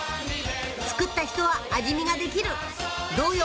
作った人は味見ができるどうよ？